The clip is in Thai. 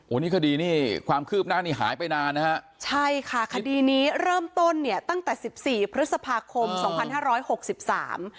อันนี้คดีนี่ความคืบหน้านี้หายไปนานนะฮะใช่ค่ะคดีนี้เริ่มต้นเนี่ยตั้งแต่สิบสี่พฤษภาคมสองพันห้าร้อยหกสิบสาม